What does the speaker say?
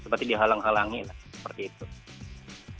seperti dihalang halangi lah seperti itu